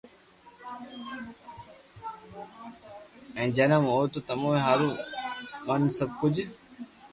ھين ختم بو تمو تو ھي مارون تن سب ڪجھ